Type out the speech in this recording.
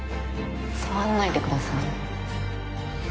触んないでください